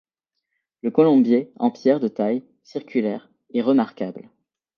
Le colombier, en pierre de taille, circulaire, est remarquable.